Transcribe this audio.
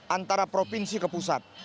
antara provinsi ke pusat